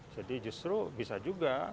jadi justru bisa juga